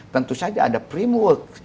tentu saja ada framework